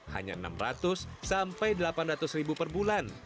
hanya enam ratus sampai delapan ratus ribu per bulan